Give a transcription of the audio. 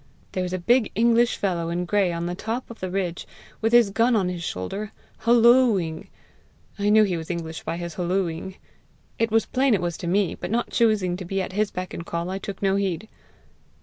There was a big English fellow in gray on the top of the ridge, with his gun on his shoulder, hollo ing. I knew he was English by his hollo ing. It was plain it was to me, but not choosing to be at his beck and call, I took no heed.